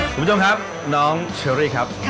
คุณผู้ชมครับน้องเชอรี่ครับ